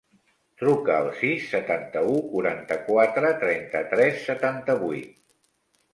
Truca al sis, setanta-u, quaranta-quatre, trenta-tres, setanta-vuit.